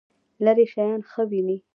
لرې شیان ښه وینئ؟